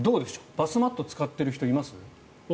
バスマットを使ってる人います？